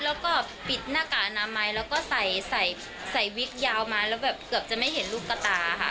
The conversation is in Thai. แล้วก็ปิดหน้ากากอนามัยแล้วก็ใส่ใส่วิกยาวมาแล้วแบบเกือบจะไม่เห็นลูกกระตาค่ะ